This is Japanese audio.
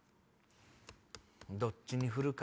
どっちに振るか。